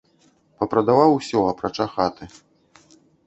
Папрадаваў усё, апрача хаты.